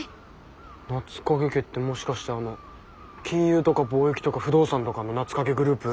夏影家ってもしかしてあの金融とか貿易とか不動産とかの夏影グループ？